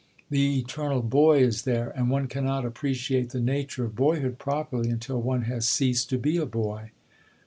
The eternal Boy is there, and one cannot appreciate the nature of boyhood properly until one has ceased to be a boy.